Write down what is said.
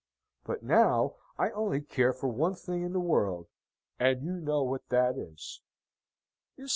But now, I only care for one thing in the world, and you know what that is."